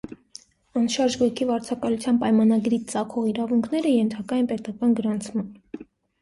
Անշարժ գույքի վարձակալության պայմանագրից ծագող իրավունքները ենթակա են պետական գրանցման։